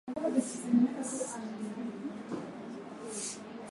Vitu vingine vya kuzingatia kuhusu ndoa za kimasai mwanamke huwa mdogo zaidi ya mumewe